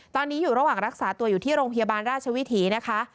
ตอนนี้อยู่ระหว่างรักษาตัวอยู่ที่โรงพยาบาลราชวิถีนะคะ